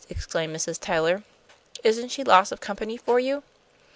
exclaimed Mrs. Tyler. "Isn't she lots of company for you?"